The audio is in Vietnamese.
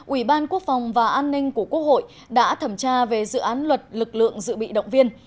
ủy ban quốc phòng và an ninh của quốc hội đã thẩm tra về dự án luật lực lượng dự bị động viên